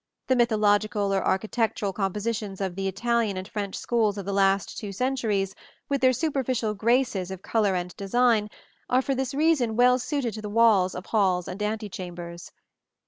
The mythological or architectural compositions of the Italian and French schools of the last two centuries, with their superficial graces of color and design, are for this reason well suited to the walls of halls and antechambers.